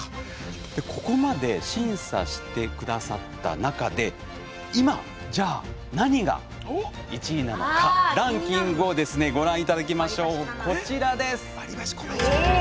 ここまで審査してくださった中で今、何が１位なのかランキングをご覧いただきましょう。